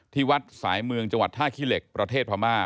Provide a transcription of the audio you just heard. ที่วัดสายเมืองจังหวัดท่าขี้เหล็กประเทศพม่า